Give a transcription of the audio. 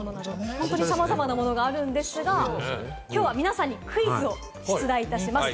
本当にさまざまなものがあるんですが、きょうは皆さんにクイズを出題いたします。